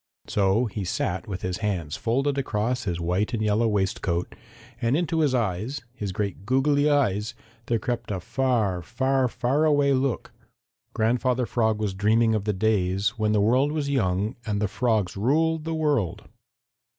So he sat with his hands folded across his white and yellow waistcoat, and into his eyes, his great goggly eyes, there crept a far, far, far away look. Grandfather Frog was dreaming of the days when the world was young and the frogs ruled the world.